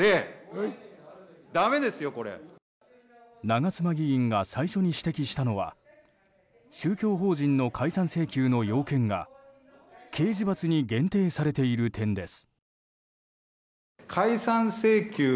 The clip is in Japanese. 長妻議員が最初に指摘したのは宗教法人の解散請求の要件が刑事罰に限定されている点です。